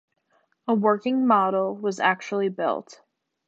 A working model was actually built.